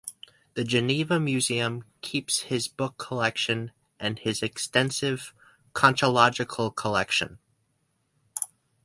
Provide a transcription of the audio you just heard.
The Geneva museum keeps his book collection and his extensive conchoilogical collection.